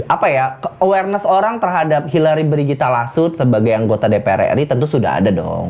apa ya awareness orang terhadap hillary brigita lasut sebagai anggota dpr ri tentu sudah ada dong